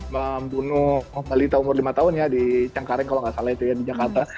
membunuh balita umur lima tahun ya di cengkareng kalau nggak salah itu ya di jakarta